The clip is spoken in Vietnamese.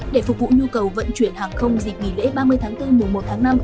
để phục vụ nhu cầu vận chuyển hàng không dịp nghỉ lễ ba mươi tháng bốn mùa một tháng năm